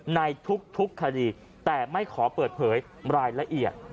ในทุกคดีแต่ไม่ขอเปิดเผยรายละเอียด